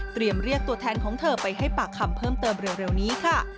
เรียกตัวแทนของเธอไปให้ปากคำเพิ่มเติมเร็วนี้ค่ะ